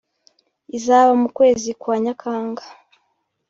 izaba mu kwezi kwa Nyakanga